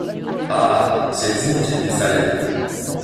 Ah! c’est vous qu’il lui fallait !